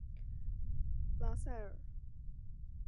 拉塞尔。